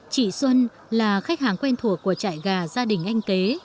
chị xuân là khách hàng quen thuộc của trại gà gia đình anh kế